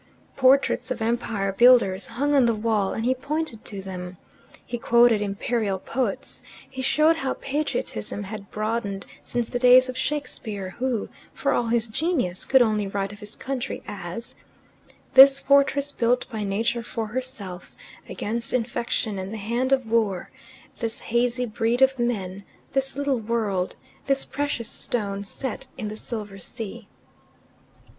Portraits of empire builders hung on the wall, and he pointed to them. He quoted imperial poets. He showed how patriotism had broadened since the days of Shakespeare, who, for all his genius, could only write of his country as "This fortress built by nature for herself Against infection and the hand of war, This hazy breed of men, this little world, This precious stone set in the silver sea."